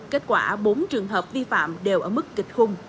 kết quả bốn trường hợp vi phạm đều ở mức kịch hung